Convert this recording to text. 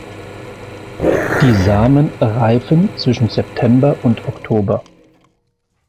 Die Samen reifen zwischen September und Oktober.